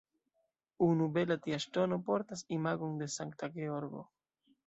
Unu bela tia ŝtono portas imagon de Sankta Georgo.